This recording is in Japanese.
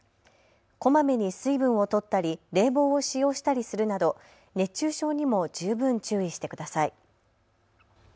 こまめに水分をとったり冷房を使用したりするなど熱中症にも十分注意してください。